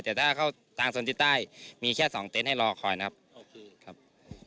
แต่ถ้าเข้าทางโซนที่ใต้มีแค่สองเต็นต์ให้รอคอยนะครับโอเคครับ